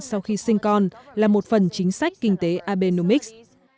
sau khi sinh con là một phần chính sách kinh tế abenomics